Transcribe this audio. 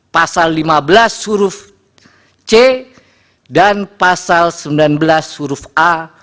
pasal lima belas huruf c dan pasal sembilan belas huruf a